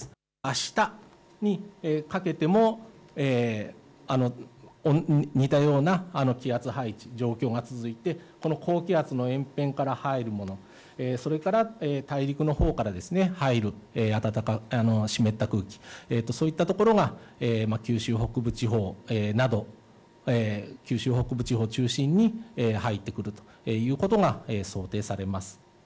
あしたにかけても似たような気圧配置、状況が続いてこの高気圧の縁辺から入るもの、それから大陸のほうから入る暖かく湿った空気、そういったところが九州北部地方を中心に入ってくるということが想定されます。